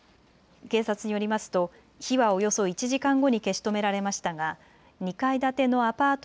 警察によりますと火はおよそ１時間後に消し止められましたが２階建てのアパート